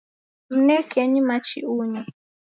Mnekenyi machi unyo.